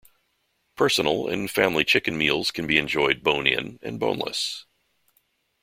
Personal and family chicken meals can be enjoyed bone-in and boneless.